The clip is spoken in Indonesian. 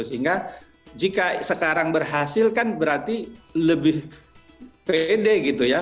sehingga jika sekarang berhasil kan berarti lebih pede gitu ya